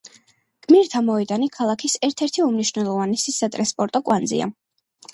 გმირთა მოედანი ქალაქის ერთ-ერთი უმნიშვნელოვანესი სატრანსპორტო კვანძია.